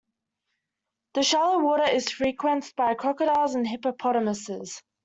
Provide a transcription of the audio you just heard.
The shallow water is frequented by crocodiles and hippopotamuses.